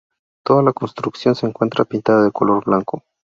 Toda la construcción se encuentra pintada de color blanco.